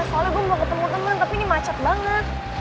soalnya gue mau ketemu temen tapi ini macet banget